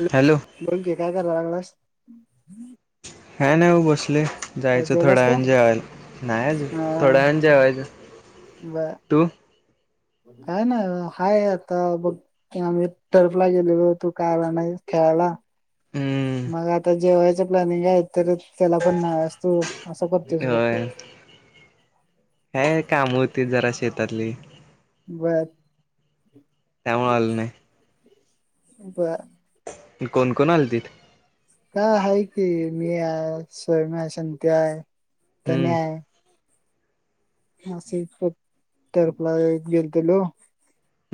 Hello, बोल की काय कराय लागलास? काय नाही ब बसलोय. काय जायचं थोड्या जेवलास का वेळाने जेवायला नाही अजून हा थोडा वेळाने जेवायच, ब तू? काय नाय ब हाय आता बघ आम्ही टर्फला गेलेलो होतो, तू काय आला नाही खेळायला. हम्म मग आता जेवय प्लॅनिंग आहे, तरी त्याला पण नाही आहेस तु. असं करतोयस बघ. हे काम होतीत जरा शेतातली. बरं. त्यामुळ आलो नाही. बर. कोण कोण आल तिथ? का? हाय की. मी हाय. स्वयम हाय. संक्या हाय. हम्म तन्या हाय. [unintelligible] गेलतेलो.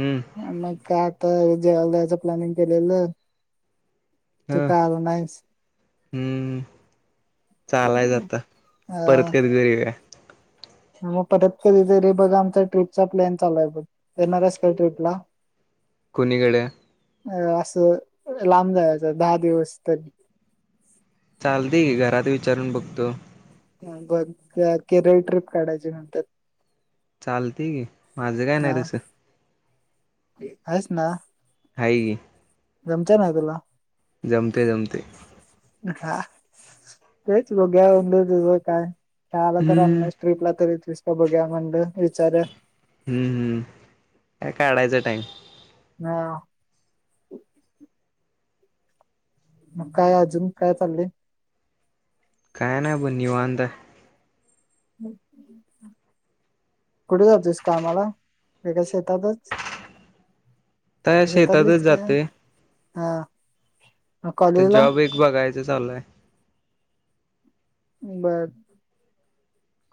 हम्म आम्ही काय जेवायला जायच प्लॅनींग केलेलं. हा. तू काय आला नाहीस हम्म हम्म. चालायच आता. अ परत कधीतरी येऊया. मग परत कधीतरी बघ, आमचा ट्रिपचा प्लॅन चाललाय बघ येणार आहेस काय ट्रीपला? कुणीकडे? अ असं लांब जायाच. दहा दिवस तरी. चालतय की घरात विचारून बघतो? बघ. केरळ ट्रिप काढायची म्हणतात. चालते की माझं काय नाही तसं. येनार आहेस ना? हाय की. जमतय ना तुला? जमतंय जमतंय. हा तेच बघूया म्हटलं तुझं काय? वायला तर आला हम्म नाहीस स्ट्रीप ला तरी ये निस्त बघूया म्हटलं विचारूया. हम्म काय काढायचा टाइम. हा. मग काय अजून काय चाललय? काय नाही बघ निवांत हाय. कुठे जातोयस कामाला का शेतातच? त्या शेतातच शेतातलीच काय जातय. हा. मग त्यात कॉलेजला जॉब एक बघायच चाललंय. बर बर.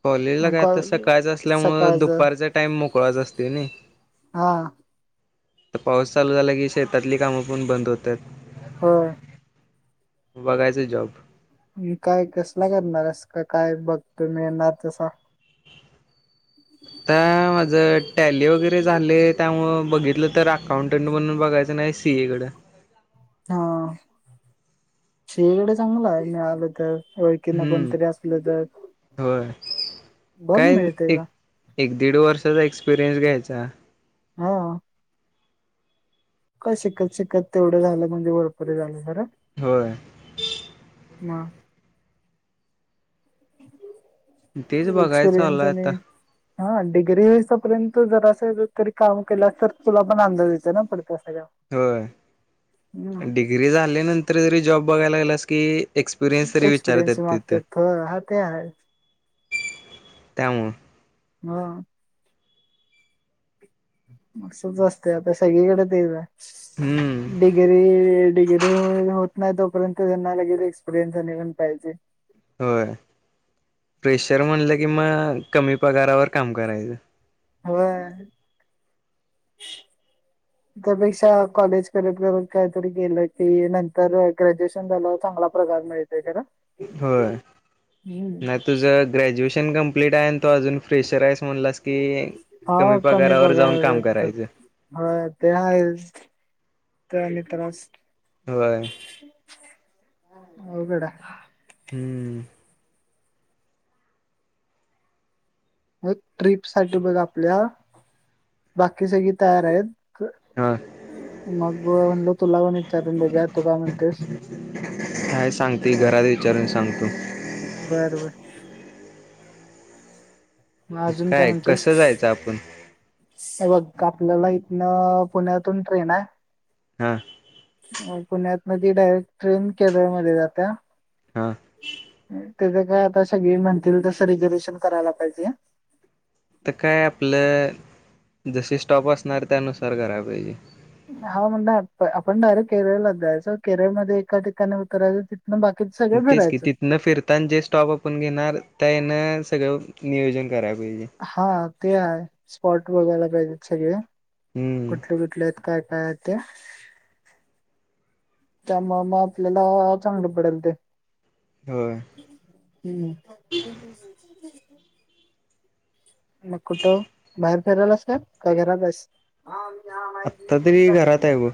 कॉलेजला काय कॉ आता सकाळच असल्यामुळे सकाळचं दुपारचा टाइम मोकळाच असतय नाई. हा आता पाऊस चालू झाला की, शेतातली कामं पण बंद होत्यात. होय. बघायच जॉब. आणि काय कसला करणार आहेस का काय? बघतो मी ना तसा. आता माझं टॅली वगैरे झाले त्यामुळं, बघितलं तर अकाउंटंट म्हणून बघायचं नाही ती इकड हा सीएकडे चांगलं आहे मिळाले तर. होय. की ना हम्म. कोणतरी असलं तर होय. बघ काय मिळतय एक का? एक दीड वर्षाचा एक्सपिरियन्स घ्यायचा हा. काय शिकत शिकत तेवढं झालं म्हणजे वरपर झालं हाय नं होय. म तेच बघाय चालय आता हा डिग्री होईसापर्यंत जरास तरी काम केल्या तर तुला पण अंदाज येत ना पुढ क होय. डिग्री झाल्या नं कुठंतरी जॉब बघायला लागलास की, एक्सपिरियन्स तरी एक्सपिरियन्स विचारतात तिथं. मागत ख हा ते हायच त्यामुळं - हा असच असतय आता सगळीकडे तेच हम्म हाय डिग्री डिग्री होय नव्ह नाय तोपर्यंत त्यांना लगेच एक्सपिरियनस आणि पण पाहिजे होय फ्रेशर म्हणलं की मग कमी पगारावर काम करायचं. होय त्यापेक्षा कॉलेज करत करत काहीतरी केलं की नंतर ग्रॅज्युएशन झाल्यावर चांगला पगार मिळेल. होय हम्म. नाय तुझ तुझ ग्रॅज्युएशन कंप्लीट आहे आणि तू अजून फ्रेशर आहेस. म्हणलास की हा कमी पगारावर जाऊन पगार काम भेटते करायचं ते हायच तो आणि त्रास होय. अवघड हाय हूं मग ट्रिप साठी बघ आपल्या बाकी सगळी तयार आहेत. ह मग म्हणलो तूला पण इचारून बघू या तू काय म्हणतोस काय सांगते घरात विचारून सांगतो बर बर मग अजून काय कसं म्हणतेस? जायचं आपण हे बघ आपल्याला इथनं पुण्यातून ट्रेन हाय. हा म पुण्यातना ती डायरेक्ट ट्रेन केरळमध्ये जात्या हा त्याज काय आता सगळी म्हणतील तसं रिझर्वेशन करायला पाहिजे हा त काय आपलं जशी स्टॉप असणार त्यानुसार कराया पाहिजे. हा म्हण आ आपण डायरेक्ट केरळलाच जायच केरळमध्ये एका ठिकाणी उतरायच तिथ तेच की तिथन फिरताना जे स्टॉप आपण घेणार त्या नं सगळं नियोजन करायला पाहिजे हा ते आहे. स्पॉट बघायला पाहिजेत सगळ्या हम्म कुठले कुठले आहेत काय काय आहेत ते त्यामुळ म आपल्याला चांगलं पडल ते होय हूं मग कुठं बाहेर फिरायलास काय? काय घरात आहेस? आता तरी घरात आहे बग.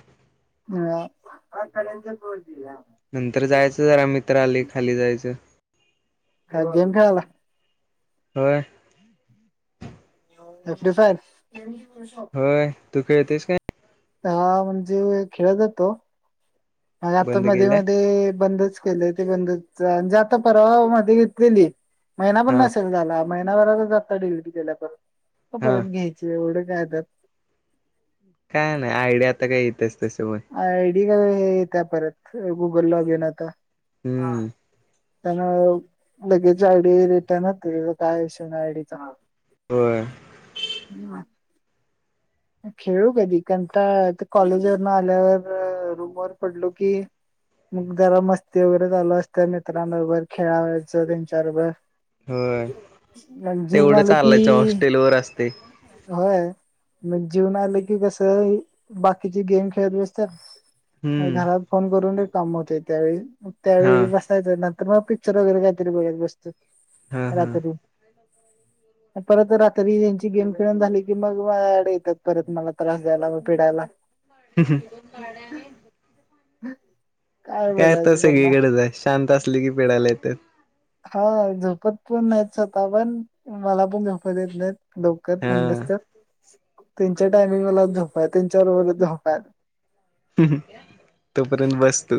ह कडेज बतला. नंतर जायचं जरा मित्र आले खाली जायचं. गेम खेळालाय. होय. [unintelligible] होय. तू खेळतेस काय? हा म्हणजे खेळला जातो. मग आता बंद मध्ये केलाय मध्ये बंदच केलंय ते बंदच. जातो परवा मध्ये घेतलेली महिना पण हा नसेल झाला. महिनाभरातच आत्ता डिग्री केल्या बघ. तर हा परत घ्यायचे एवढे [unintelligible] काय नाही आयडिया आता काय येत्याच? आयडिया काय नयेत. त्या परत गुगल ला गेला आता. हां. हम्म त्यांना लगेच आयडी येत्या ना काय विषय नाही आयडीचा. होय. धन्यवाद. खेळू कधी कंटाळा आता कॉलेज वर न आल्यावर रूमवर पडलो कि मग जरा मस्ती वगैरे चालू असतंय मित्रांबरोबर खेळावाचं त्यांच्या बरोबर होय तेवढं आलो चाललायच की हॉस्टेल वर अस होय मग जेवण आलं की कस बाकीची गेम खेळत बसत्यात. हम्म घरात फोन करून ये काम होते त्यायावेळी. म हा त्यायावेळी बसायचं न तर मग पिक्चर वगैरे काहीतरी बघत बस तो हा हा रात्री. परत रात्री गेम खेळून झाली की मग मायाकड येत्यात परत मला त्रास द्यायला पिडायला. [inaudible] [inaudible] काय आता बोलायचं त्यांना सगळीकडच आहे शांत अस उठली की पिडायला येत्यात. हां झोपत पण नाहीत स्वतः पण, मला पण झोपू देत नाहीत. लवकर म्हणलस तर, हा तेनच्या टायमिंगला झोपा तेनच्या बरोबर झोपा तोपर्यंत बस तू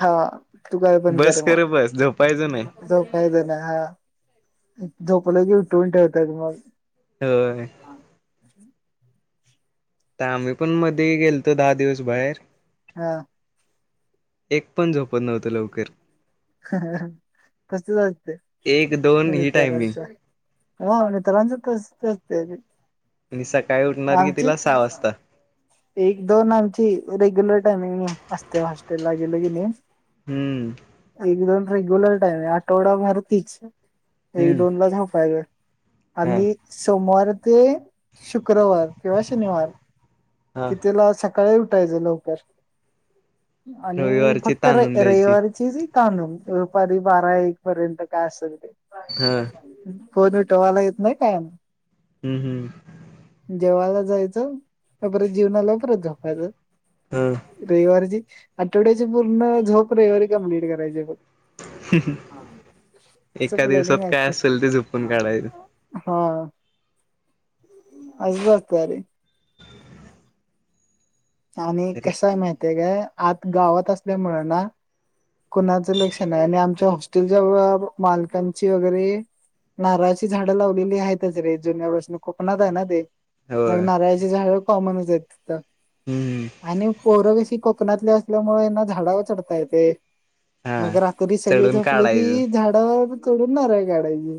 हां तू काय पण कर बस मग. खरं बस झोपायचं नाही झोपायचं नाही हां. झोपलं की उटवून ठेवत्यात मग. होय. ते आम्ही पण मध्ये गेलतो दहा दिवस बाहेर. हां. एक पण झोपत नव्हतं लवकर तसंच असतंय, एक दोन ही टायमिंग मित्रांचं होय मित्रांचं तसंच अस [unintelligible] आणि सकाळी उठणार कितीला सहा वाजता. एक दोन आमची रेग्युलर टायमिंग असतय. हॉस्टेलला गेलो कणी, हम्म. एकदम रेग्युलर टाईम आहे, आठवडा भर तीच. एक हम्म दोन ला झोपायच. हा आणि सोमवार. ते शुक्रवार किंवा शनिवार. हा कितीला सका सकाळी उठायचं लवकर. आणि रविवारची फक्त र ताणून द्यायची रविवारीची जी. तांनून, दुपारी बारा एक पर्यंत काय असेल ते. हा [unintelligible] कोन उठवायला येत नाही काय नाही. हम्म हम्म. जेवायला जायचं परत जेवून आल्यावर परत झोपायचं. ह रविवार ची. आठवड्याची पूर्ण झोप, रविवारी कमप्लीट करायची बग. असं एका प्लॅनिंग दिवसात काय असते असेल, ते झोपून काढायचं. हा अस असतय अरे! [unintelligible] आणि तरी कसाय माहती काय? आत गावात असल्यामूळ ना, कुणाचं लक्ष नाय आणि आमच्या हॉस्टेलच्या मालकांची वगैरे नारळाची झाडं लावलेली हायतचं. रे जुन्यापासन कोकणात आहे ना ते. मग होय नारळाची झाड. हो माणूस आहे तिथ हम्म [unintelligible] आणि पोर कशी. कोकणातले असल्यामुळे यांना झाडावर चढता येते. हा मग रात्री सगळे चढून झोपले की काढायचं झाडवर- चढून नारळ काढायची.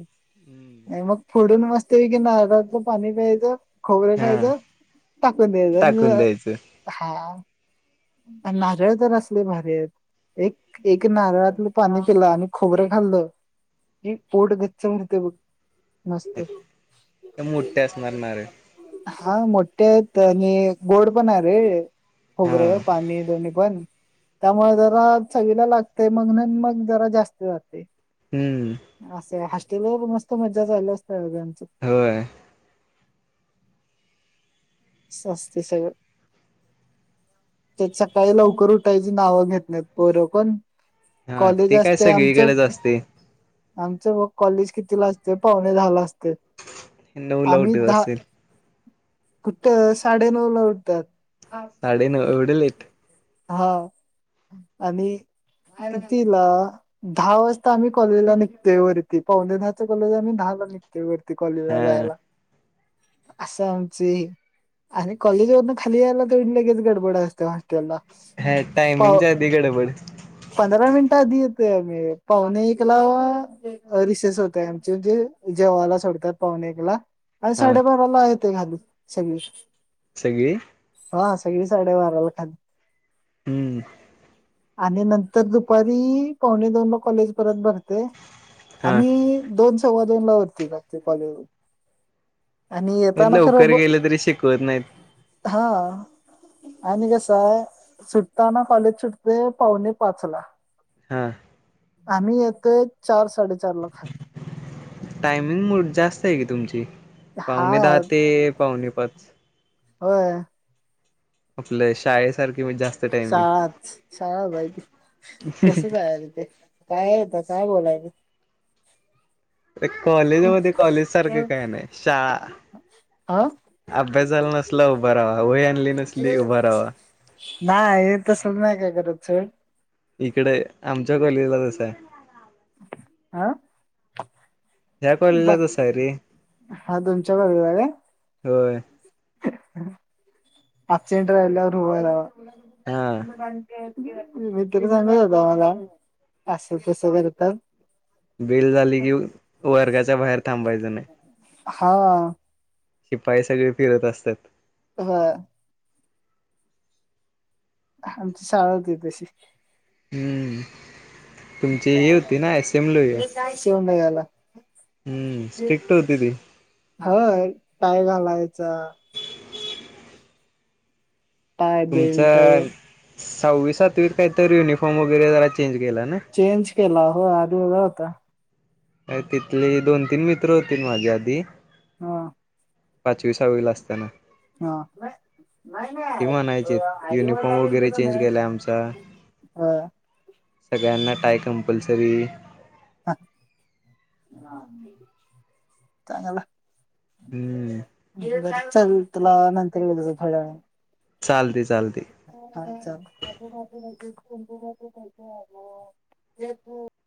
हे मग. फोडून मस्त पैकी नारळातलं पाणी प्यायचं. खोबरं हा खायचं टाकून द्यायचं इहाआ टाकून द्यायचं हा. नारळ तर असले भारी आहेत एक एक नारळातलं पाणी पिल आणि खोबरं खाल्लं की पोट गच्च भरतय बघ. मस्त एकदम मोठे असणार नारळ. हा मोठे आहेत आणि गोड पण आहे रे हा खोबरं. पाणी दोनी पण त्यामुळे जरा चविला लागते मग मग जरा जास्त जाते. हम्म अस हास. ते बघा मस्त मजा चाले. हो यांच. होय सस्ते सगळ तेच सकाळी लवकर उठायची नावं घेत नाहीत पोरं पण हा कॉलेज ते काय असते आमचं सगळीकडच असते. आमचं बघ कॉलेज किती ला असतय पावणे दहाला असतय. नऊ ला उटवत असतील. कुठं साडे नऊ ला उठतात. साडेनऊ एवढे लेट. हा आणि आरतीला दहा वाजता आम्ही कॉलेजला निघतेोय वरती पावणे दहाच कॉलेज आम्ही दहा ला निघतोय वरती. ते कॉलेजला हा जायला. अस आमचे आणि कॉलेज वरन खाली यायला त लगेच गडबड असते हॉस्टेल ला. हाय टाइमिंग च्या आधी गडबड. पंधरा मिनिटं आधी येतय आम्ही पावणे एकला रिसेस होतय आमचे म्हणजे जेवाला सोडतात पावणे एकला नाही हा साडेबाराला ये ते खाली. संदेश. सगळी. हा सगळी साडेबाराला खाली. हममम आणि नंतर दुपारी पावणे दोनला कॉलेज परत भरत. ते हा आम्ही दोन सव्वा दो दोनला वरती कॉलेज आणि येताना खर लवकर गेलं तरी शिकवत नाहीत. आणि कसय सुटताना कॉलेज सुटतय पावणे पाच ला. हा आम्ही क चार स टायमिंग मग जास्त आहे कि तुमची. हा पावुणे दहा ते पावणे पाच. होय. आपल शाळेसार शाळाच शाळा माहिती तस काय आहे ते काय आहे त्यात काय बोलायल? एक कॉलेज मध्ये कॉलेज सारख काय नाही ह शाळा. बस झाल नसल उभा राहावा वही आणली नसली उभा राहावा. नाही हे तसल नाही काय करत सोड. इकडे आमच्या गल्लीला तस आहे. आ? ह्या कलेला तस आहे रे. हा होय. आपसेंट राहिल्यावर उभा राहावा. [inaudible] हा मी तिला सांगत होतो आम्हाला असं तसं करतात. बेल झाली कि वर्गाच्या बाहेर थांबायचं नाही. हा. शिपाई सगळे फिरत असत्यात. व्हय. आमची शाळा होती तशी. हम्म तुमची ही होती ना असेंब्ली काय शेवन घाल [inaudible] हम्म स्ट्रिक्ट होती ती. पाय घालायचा. टाय तुमचा बेल्ट. सहावी सातवीत काय तर युनिफॉर्म वगैरे जरा चेंज केला ना चेंज केला हो आदोदर का. तिथले दोन तीन मित्र होतील माझे आधी हा. पाचवी सहावीला असताना. ह म नाही नाही म्हणायचे [unintelligible] युनिफॉर्म वगैरे अईळत चेंज नाही केलाय आमचा अ सगळ्यांना टाय कंपल्सरी. हा. चांगला. हम्म. चल तुला नंतर घे [unintelligible] पडल्यावर चालदिस. अच्छा बू तर कहीत अ ज [unintelligible]